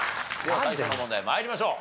最初の問題参りましょう。